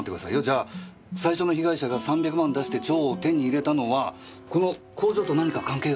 じゃあ最初の被害者が３００万出して蝶を手に入れたのはこの工場と何か関係が？